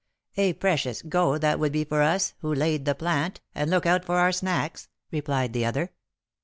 '" "A precious 'go' that would be for us, who 'laid the plant,' and look out for our 'snacks,'" replied the other.